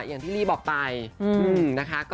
อย่างที่ลี่บอกไปนะคะ